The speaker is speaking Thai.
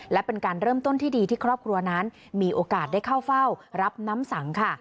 และเป็นการเริ่มต้นที่ดีที่ครอบครัวนั้นมีโอกาสได้เข้าเฝ้ารับน้ำสังค่ะ